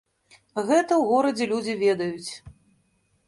Гэта ў горадзе людзі ведаюць.